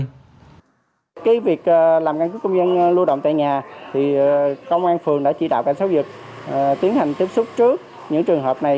cái việc làm căn cứ công dân lưu động tại nhà thì công an phường đã chỉ đạo cảnh sát giao dịch tiến hành tiếp xúc trước những trường hợp này